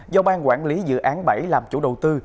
do bang quản lý dự án bảy làm chủ đầu tư